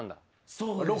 そう。